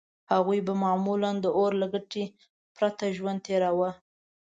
هغوی به معمولاً د اور له ګټې پرته ژوند تېراوه.